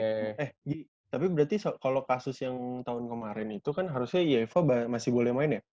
eh tapi berarti kalau kasus yang tahun kemarin itu kan harusnya uefa masih boleh main ya